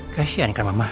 kasian kan mama